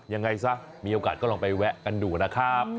ยังไงซะมีโอกาสก็ลองไปแวะกันดูนะครับ